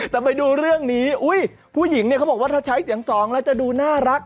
แต่ไปดูเรื่องนี้ผู้หญิงเนี่ยเขาบอกว่าถ้าใช้เสียงสองแล้วจะดูน่ารัก